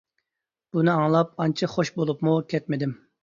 بۇنى ئاڭلاپ ئانچە خوش بولۇپمۇ كەتمىدىم.